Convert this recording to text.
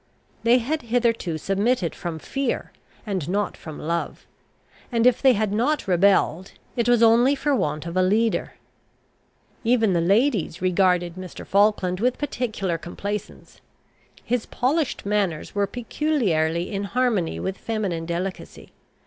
They had hitherto submitted from fear, and not from love; and, if they had not rebelled, it was only for want of a leader. Even the ladies regarded Mr. Falkland with particular complacence. His polished manners were peculiarly in harmony with feminine delicacy.